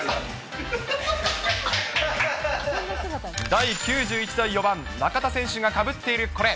第９１代４番中田選手がかぶっているこれ。